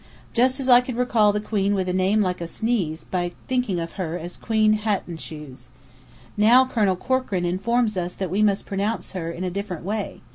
Just as I could recall the queen with a name like a sneeze by thinking of her as Queen Hat and Shoes. Now Colonel Corkran informs us that we must pronounce her, in a different way.